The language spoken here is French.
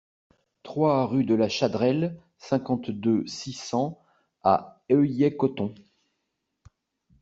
trois rue de la Chadrelle, cinquante-deux, six cents à Heuilley-Cotton